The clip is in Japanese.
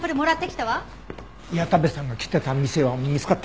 矢田部さんが来てた店は見つかったの？